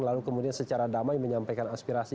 lalu kemudian secara damai menyampaikan aspirasi